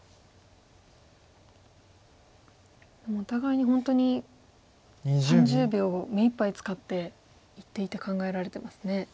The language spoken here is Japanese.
お互いに本当に３０秒を目いっぱい使って一手一手考えられてますね。